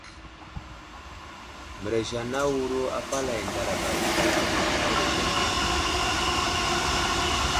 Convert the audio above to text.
Mərez anay awuro apalay ndaraɓa ikal avohw i mərez age.